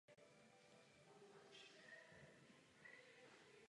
Evropští občané jsou pro rozvojovou pomoc.